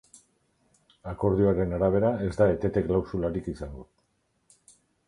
Akordioaren arabera ez da etete-klausularik izango.